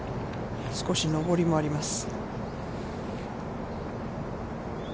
少し上りもあります。